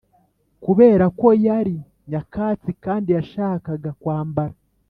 kubera ko yari nyakatsi kandi yashakaga kwambara;